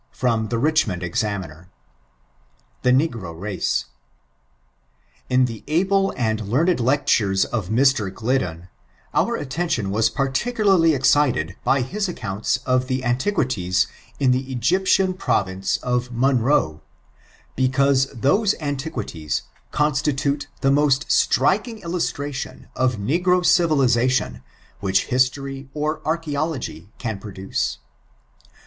••■ [FROM THE BICHMOND EXAMINER.] TBI NxoBo Racx^— In the tble and learned lectures of Mr. Gliddon, oar attention wai particalarly excited by hii aoconnts of the antiqoitiea in tiie Egyptian province of Monroe, becaoie tixMe antiqoitiei conititote the moat itriking illoatration of negro civilization which history or airhsology can produce.